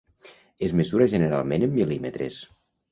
Es mesura generalment en mil·límetres.